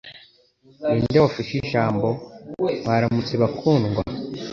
Ninde wafashe ijambo "Mwaramutse Bakundwa"?